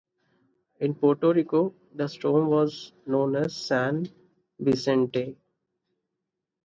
In Puerto Rico, the storm was known as "San Vicente".